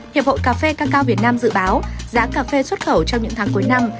hiệp hội cà phê cà cao việt nam dự báo giá cà phê xuất khẩu trong những tháng cuối năm